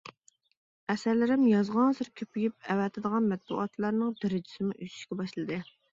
ئەسەرلىرىم يازغانسېرى كۆپىيىپ، ئەۋەتىدىغان مەتبۇئاتلارنىڭ دەرىجىسىمۇ ئۆسۈشكە باشلىدى.